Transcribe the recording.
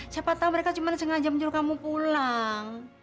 siapa tahu mereka cuma sengaja menjuruh kamu pulang